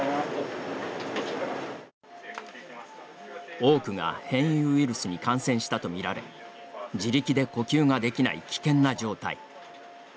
多くが変異ウイルスに感染したと見られ自力で呼吸ができない危険な状態。